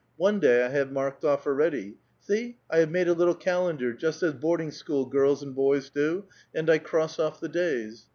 One day I have marked off already. See I have made a little calendar just as boarding school girls and boj's do, and I cross off the days.